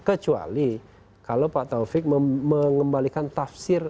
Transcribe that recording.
kecuali kalau pak taufik mengembalikan tafsir